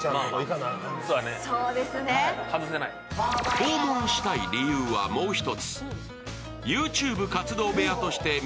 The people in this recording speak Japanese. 訪問したい理由はもう一つ。